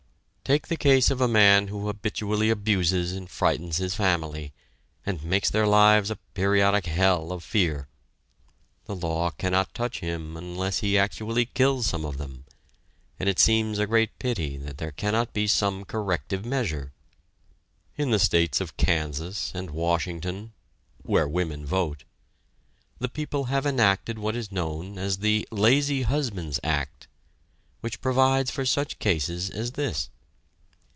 Take the case of a man who habitually abuses and frightens his family, and makes their lives a periodic hell of fear. The law cannot touch him unless he actually kills some of them, and it seems a great pity that there cannot be some corrective measure. In the states of Kansas and Washington (where women vote) the people have enacted what is known as the "Lazy Husband's Act," which provides for such cases as this.